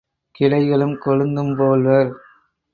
கிளைகளும் கொழுந்தும்போல்வர்.